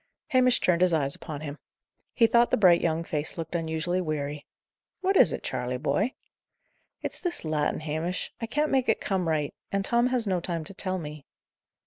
Hamish turned his eyes upon him. He thought the bright young face looked unusually weary. "What is it, Charley, boy?" "It's this Latin, Hamish. I can't make it come right. And Tom has no time to tell me."